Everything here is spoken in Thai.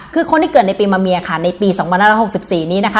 คือคนที่เกิดในปีมะเมียค่ะในปี๒๕๖๔นี้นะคะ